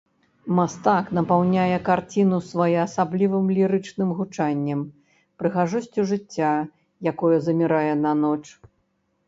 Мастак напаўняе карціну своеасаблівым лірычным гучаннем, прыгажосцю жыцця, якое замірае на ноч.